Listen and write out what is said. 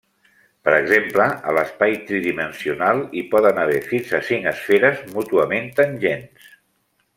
Per exemple, a l'espai tridimensional hi poden haver fins a cinc esferes mútuament tangents.